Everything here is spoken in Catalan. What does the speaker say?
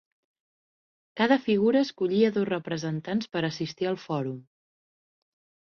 Cada figura escollia dos representants per assistir al fòrum.